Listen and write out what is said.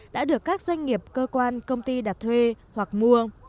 đã được các doanh nghiệp cơ quan công ty đặt thuê hoặc mua